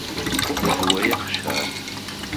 وَهُوَ يَخشى